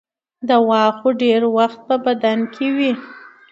دوا خو ډېر وخت په بدن کې وي.